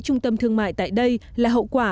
trung tâm thương mại tại đây là hậu quả